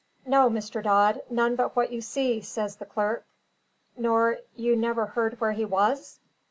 "No, Mr. Dodd, none but what you see," says the clerk. "Nor you never heard where he was?"